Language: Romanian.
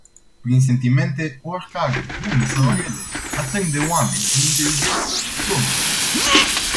Prin sentimente oricare: bune sau rele, atârni de oameni. Prin inteligență îi domini.